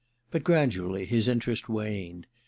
But gradually his interest waned.